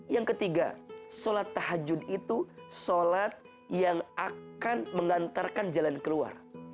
yang ketiga sholat tahajud itu sholat yang akan mengantarkan jalan keluar